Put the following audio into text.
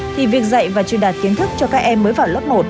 thì việc dạy và truyền đạt kiến thức cho các em mới vào lớp một